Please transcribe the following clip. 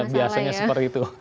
biasanya seperti itu